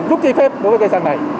rút giấy phép đối với cây xăng này